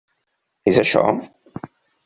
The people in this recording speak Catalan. És això?